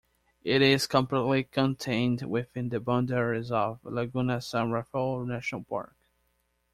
It is completely contained within the boundaries of Laguna San Rafael National Park.